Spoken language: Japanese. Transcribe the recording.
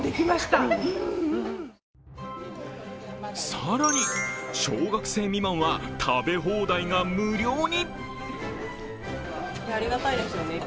更に小学生未満は食べ放題が無料に。